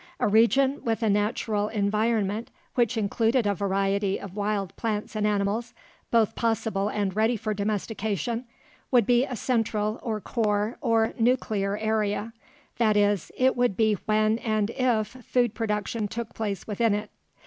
A region with a natural environment which included a variety of wild plants and animals, both possible and ready for domestication, would be a central or core or nuclear area, that is, it would be when and if food production took place within it.